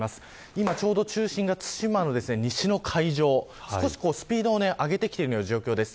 今ちょうど中心が対馬の西の海上スピードを上げてきている状況です。